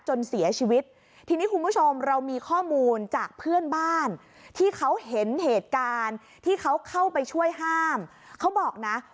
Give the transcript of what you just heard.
จนเสียชีวิตทีนี้คุณผู้ชมเรามีข้อมูลจากเพื่อนบ้าน